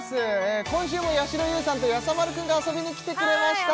今週もやしろ優さんとやさ丸くんが遊びに来てくれました